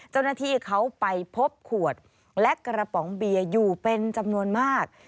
เจ้าหน้าที่เขาไปพบขวดและกระป๋องเบียร์อยู่เป็นจำนวนมาก